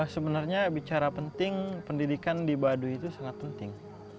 sebenarnya bicara penting pendidikan di baduy itu sangat penting